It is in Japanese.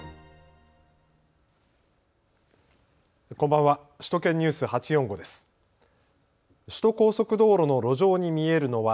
こんばんは。